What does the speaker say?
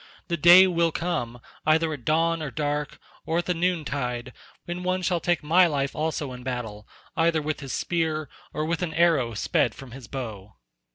The day will come, either at dawn or dark, or at the noontide, when one shall take my life also in battle, either with his spear, or with an arrow sped from his bow."